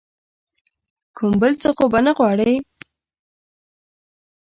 کوم بل څه خو به نه غواړې ؟